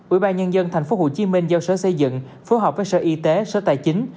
ủy ban nhân dân tp hcm giao sở xây dựng phối hợp với sở y tế sở tài chính